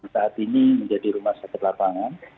saat ini menjadi rumah sakit lapangan